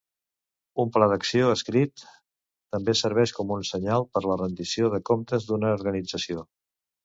Un pla d'acció escrit també serveix com un senyal per la rendició de comptes d'una organització.